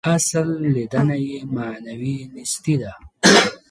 اصل لېدنه یې معنوي نیستي ده.